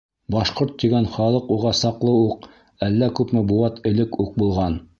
Башҡорт тигән халыҡ уға саҡлы уҡ, әллә күпме быуат элек үк булған.